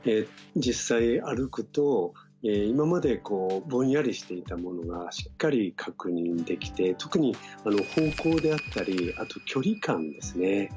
実際歩くと今までこうぼんやりしていたものがしっかり確認できて特に方向であったりあと距離感ですね。